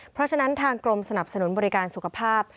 เพราะฉะนั้นทางกรมสนับสนุนบริการสุขภาพ